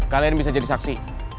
kalian bisa jadi saksi